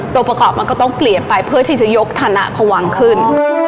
ตัวประกอบมันก็ต้องเปลี่ยนไปเพื่อที่จะยกธนะเขาวางขึ้น